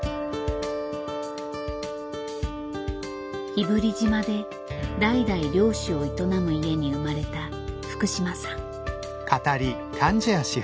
日振島で代々漁師を営む家に生まれた福島さん。